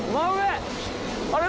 あれ。